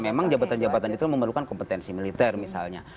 memang jabatan jabatan itu memerlukan kompetensi militer misalnya